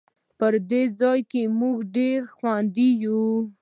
په دې ځای کې مونږ ډېر خوندي یو